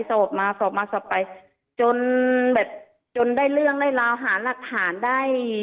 สอบมาสอบมาสอบไปจนแบบจนได้เรื่องได้ราวหาหลักฐานได้